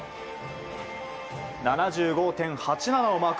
７５．８７をマーク。